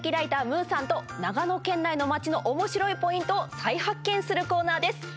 むさんと長野県内の街のおもしろいポイントを再発見するコーナーです。